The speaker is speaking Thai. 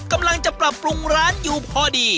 กำลังจะปรับปรุงร้านอยู่พอดี